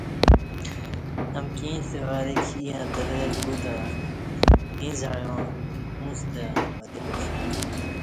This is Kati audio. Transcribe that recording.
امکی ییݩستہ وریک ایں اتلہ گوتہ ایں زعیاں اُݩڅ تہ انی پتہ باسوم کہ